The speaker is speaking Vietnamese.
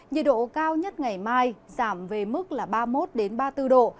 nhiệt độ cao nhất ngày mai giảm về mức là ba mươi một ba mươi bốn độ